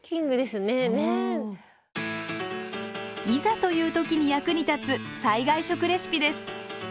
いざという時に役に立つ災害食レシピです。